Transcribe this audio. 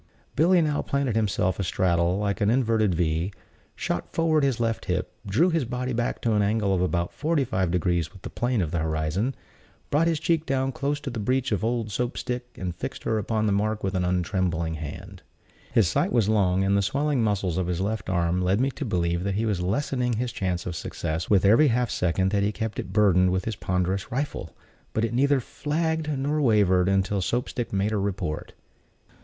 Billy now planted himself astraddle, like an inverted V; shot forward his left hip, drew his body back to an angle of about forty five degrees with the plane of the horizon, brought his cheek down close to the breech of old Soap stick, and fixed her upon the mark with untrembling hand. His sight was long, and the swelling muscles of his left arm led me to believe that he was lessening his chance of success with every half second that he kept it burdened with his ponderous rifle; but it neither flagged nor wavered until Soap stick made her report.